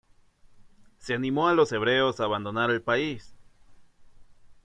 Se animó a los hebreos a abandonar el país.